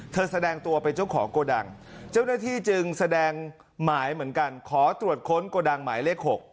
แสดงตัวเป็นเจ้าของโกดังเจ้าหน้าที่จึงแสดงหมายเหมือนกันขอตรวจค้นโกดังหมายเลข๖